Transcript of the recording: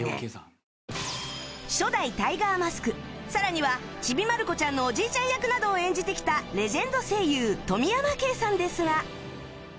初代タイガーマスクさらには『ちびまる子ちゃん』のおじいちゃん役などを演じてきたレジェンド声優富山敬さんですが